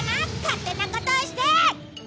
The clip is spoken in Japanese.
勝手なことをして！！